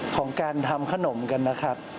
ของการทำขนมกันนะครับ